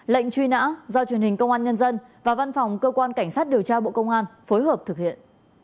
lệnh truy nã do truyền hình công an nhân dân và văn phòng cơ quan cảnh sát điều tra bộ công an phối hợp thực hiện